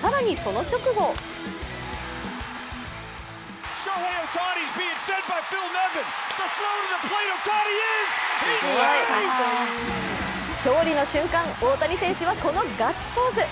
更にその直後勝利の瞬間、大谷選手はこのガッツポーズ。